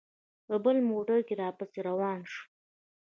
په بل موټر کې را پسې روان شو.